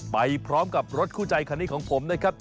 ไปพร้อมกับรถคู่ใจคันนี้ของผมนะครับ